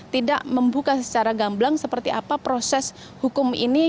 tidak membuka secara gamblang seperti apa proses hukum ini